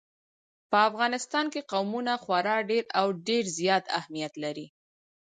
په افغانستان کې قومونه خورا ډېر او ډېر زیات اهمیت لري.